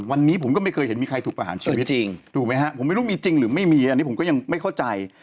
วันนี้ผมก็ไม่เคยเห็นมีใครถูกประหารชีวิตจริงถูกไหมฮะผมไม่รู้มีจริงหรือไม่มีอันนี้ผมก็ยังไม่เข้าใจ